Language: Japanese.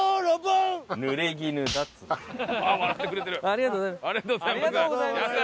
ありがとうございます。